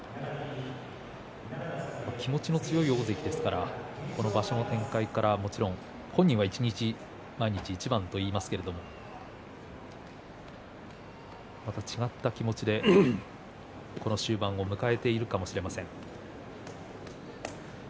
気持ちの強い大関ですから場所の展開から本人は一日、毎日一番と言いますけれども違った気持ちでこの終盤を迎えているかもしれません。